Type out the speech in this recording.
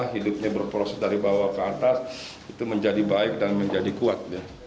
kita bawa ke atas itu menjadi baik dan menjadi kuat